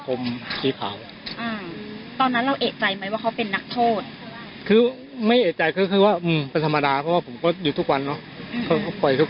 ก็เดินผ่านตรงนี้ผมกำลังกายของอยู่